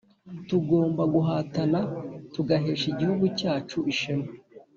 Tugomba guhatana tugahesha igihugu cyacu ishema